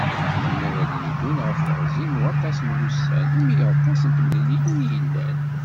Tin ara yeddun ɣef teɣzi n waṭas n wussan, imi aṭas n temliliyin i yellan.